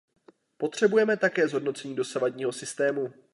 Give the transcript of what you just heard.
Potřebujeme také zhodnocení dosavadního systému.